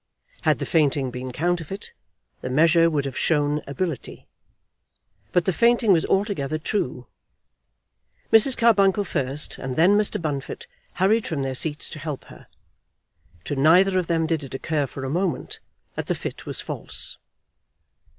Had the fainting been counterfeit, the measure would have shown ability. But the fainting was altogether true. Mrs. Carbuncle first, and then Mr. Bunfit, hurried from their seats to help her. To neither of them did it occur for a moment that the fit was false.